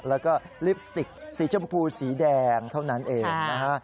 แล้วก็ลิปสติกสีชมพูสีแดงเท่านั้นเองนะฮะ